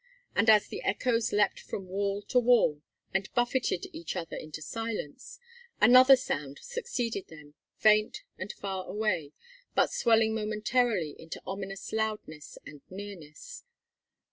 And as the echoes leapt from wall to wall, and buffeted each other into silence, another sound succeeded them, faint and far away, but swelling momentarily into ominous loudness and nearness.